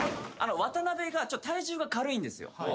渡辺が体重が軽いんですよ。